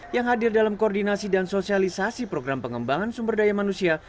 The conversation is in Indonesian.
yang hadir dalam koordinasi dan sosialisasi program pengembangan sumber daya manusia